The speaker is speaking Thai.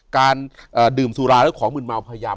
การดื่มสุราและของมืนเมาพยายาม